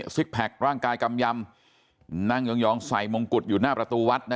ซิกแพคร่างกายกำยำนั่งยองใส่มงกุฎอยู่หน้าประตูวัด